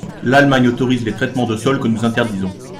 L’Allemagne autorise les traitements de sol que nous interdisons.